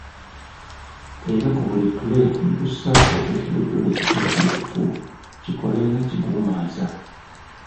Era ku buli ttule ne tussaako ekiwojjolo ekisajja ekifu kikole nga kiguumaaza.